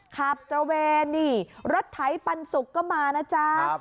ตระเวนนี่รถไถปันสุกก็มานะจ๊ะ